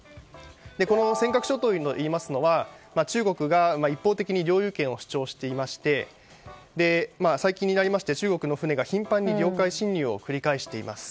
この尖閣諸島といいますのは中国が一方的に領有権を主張していまして最近になりまして、中国の船が頻繁に領海侵入を繰り返しています。